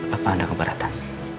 apa anda keberatan